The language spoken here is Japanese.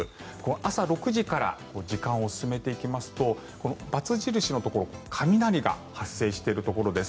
朝６時から時間を進めていきますとこのバツ印のところ雷が発生しているところです。